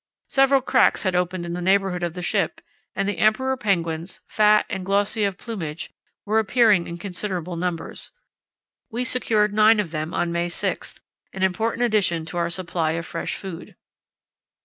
Several cracks had opened in the neighbourhood of the ship, and the emperor penguins, fat and glossy of plumage, were appearing in considerable numbers. We secured nine of them on May 6, an important addition to our supply of fresh food.